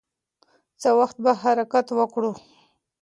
څه وخت به حرکت وکړو؟